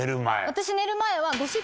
私寝る前は。